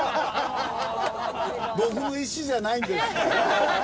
僕の意思じゃないんです。